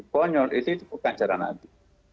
konyol itu bukan cara nabi